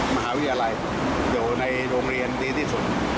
มหาวิทยาลัยอยู่ในโรงเรียนดีที่สุด